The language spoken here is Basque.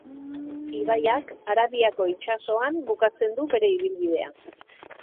Ibaiak Arabiako Itsasoan bukatzen du bere ibilbidea.